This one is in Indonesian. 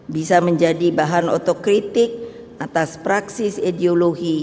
bisa menjadi bahan otokritik atas praksis ideologi